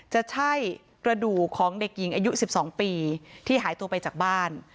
จะใช่กระดูกของเด็กหญิงอายุ๑๒ปีที่หายตัวไปจากบ้าน